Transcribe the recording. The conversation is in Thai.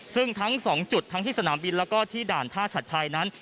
ซึ่งทั้ง๒จุดทั้งที่สนามบินแล้วก็ที่ด่านท่าชัดชัยนั้น